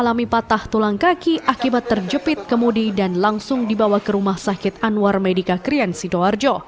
mengalami patah tulang kaki akibat terjepit kemudi dan langsung dibawa ke rumah sakit anwar medica krian sidoarjo